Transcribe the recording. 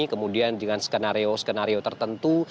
kemudian dengan skenario skenario tertentu